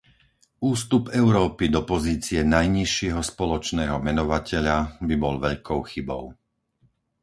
Ústup Európy do pozície najnižšieho spoločného menovateľa by bol veľkou chybou.